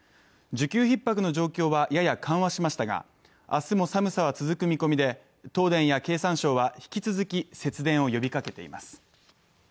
需給ひっ迫の状況はやや緩和しましたが、明日も寒さは続く見込みで東電や経産省は引き続き節電を呼びかけています。